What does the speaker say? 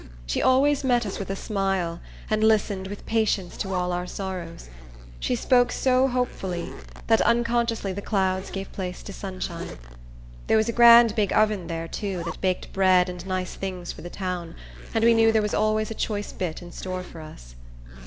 She always met us with a smile, and listened with patience to all our sorrows. She spoke so hopefully, that unconsciously the clouds gave place to sunshine. There was a grand big oven there, too, that baked bread and nice things for the town, and we knew there was always a choice bit in store for us.